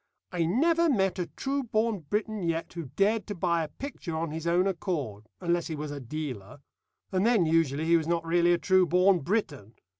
I never met a true born Briton yet who dared to buy a picture on his own accord unless he was a dealer. And then usually he was not really a true born Briton.